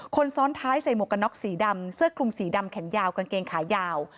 คนซ้อนท้ายใส่หมวกกันน็อกสีดำเสื้อคลุมสีดำแขนยาวกางเกงขายาว